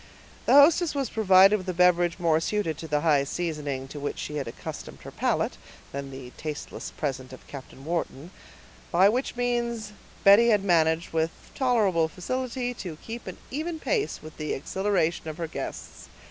The hostess was provided with a beverage more suited to the high seasoning to which she had accustomed her palate, than the tasteless present of Captain Wharton; by which means Betty had managed, with tolerable facility, to keep even pace with the exhilaraton of her guests.